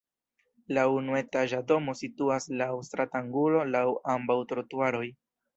La unuetaĝa domo situas laŭ stratangulo laŭ ambaŭ trotuaroj.